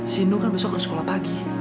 si nuh kan besok harus sekolah pagi